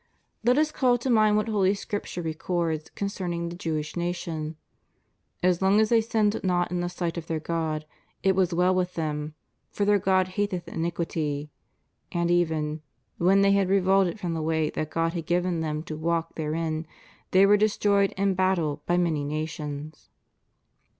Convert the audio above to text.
Let us call to mind what Holy Scrip ture records concerning the Jewish nation: As long as they sinned not in the sight of their God, it was well with them: for their God hateth iniquity. And even ... when they had revolted from the way that God had given them to walk therein, they were destroyed in battles by many nations."